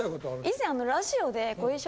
以前。